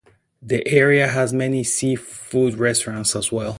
The area has many seafood restaurants as well.